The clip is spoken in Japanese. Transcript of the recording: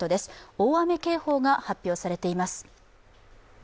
大雨警報が発表されています。